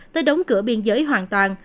tới đóng cửa biên giới hoàn toàn